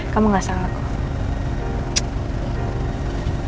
kamu gak salah kok